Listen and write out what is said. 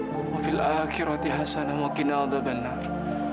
wafil akhirati hasanah makinal da banar